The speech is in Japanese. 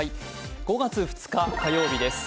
５月２日火曜日です。